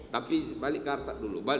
tapi balik ke arsat dulu